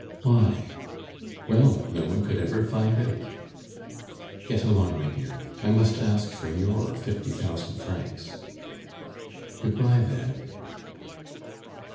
"Why?" "Well, no one could ever find out." "Get along, my dear! I must ask for your fifty thousand francs." "Good bye then."